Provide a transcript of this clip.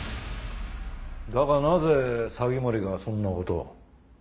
だがなぜ鷺森がそんなことを？